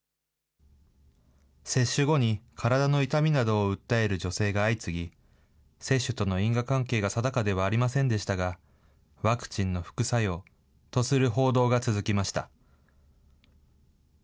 接種後に体の痛みなどを訴える女性が相次ぎ、接種との因果関係が定かではありませんでしたが、ワクチンの副作用とする報道が続きました。